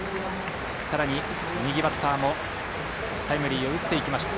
さらに、右バッターもタイムリーを打っていきました。